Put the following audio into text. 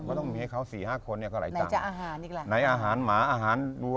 ก็ต้องมีให้เขา๔๕คนเขาไหล่จัง